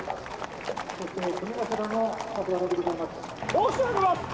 ・申し上げます。